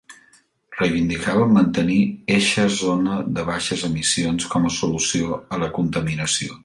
Reivindicaven mantenir eixa zona de baixes emissions com a solució a la contaminació.